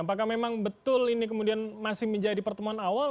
apakah memang betul ini kemudian masih menjadi pertemuan awal